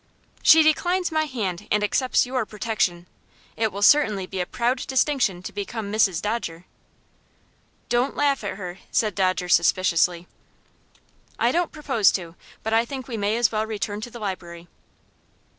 "She declines my hand, and accepts your protection. It will certainly be a proud distinction to become Mrs. Dodger." "Don't laugh at her!" said Dodger, suspiciously. "I don't propose to. But I think we may as well return to the library."